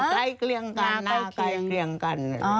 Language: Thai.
ใกล้เคียงกันใกล้เคียงกัน